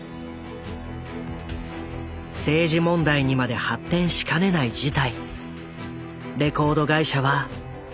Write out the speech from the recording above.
政治問題にまで発展しかねない事態。